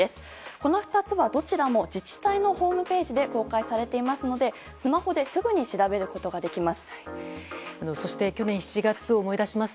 この２つはどちらも自治体のホームページで公開されていますのでスマホですぐに調べることができます。